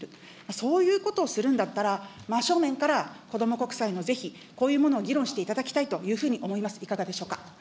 そういうことをするんだったら、真正面からこども国債の是非、こういうものを議論していただきたいというふうに思います。